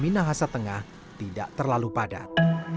di mana keadaan minahasa tengah tidak terlalu padat